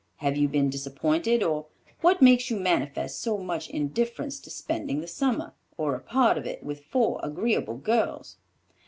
Have you been disappointed, or what makes you manifest so much indifference to spending the summer, or a part of it, with four agreeable girls?"